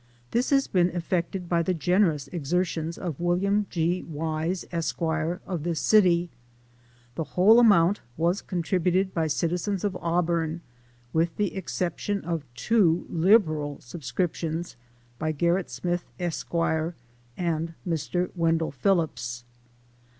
This has been effected by the generous exertions of Wm. G. Wise, Esq., of this city. The whole amount was contributed by citi M79798 INTRODUCTION. zens of Auburn, with the exception of two liberal subscrip tions by Gcrrit Smith, Esq., and Mr. Wendell Phillips.